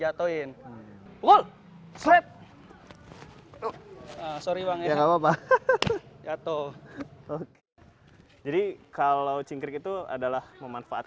jingkrak jingkrik yang berarti lincah sesuai gerakan si monyet